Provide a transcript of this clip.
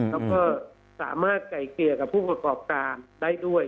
แล้วก็สามารถไก่เกลี่ยกับผู้ประกอบการได้ด้วย